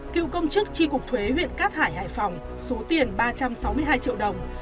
cựu công chức tri cục thuế huyện cát hải hải phòng số tiền ba trăm sáu mươi hai triệu đồng